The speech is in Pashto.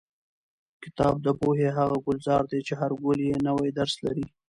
کتاب د پوهې هغه ګلزار دی چې هر ګل یې یو نوی درس لري.